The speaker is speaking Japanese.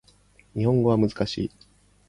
日本語は難しい